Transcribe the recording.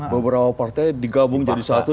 beberapa partai digabung jadi satu